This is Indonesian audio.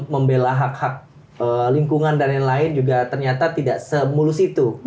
membela hak hak lingkungan dan lain lain juga ternyata tidak semulus itu